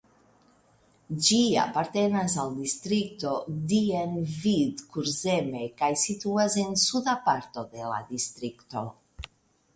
Ĝi apartenas al distrikto Dienvidkurzeme kaj situas en suda parto de la distrikto.